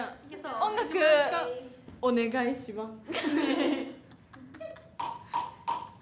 音楽お願いします。